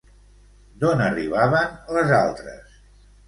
D'on arribaven les altres?